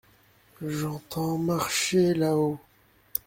J’entends marcher là-haut…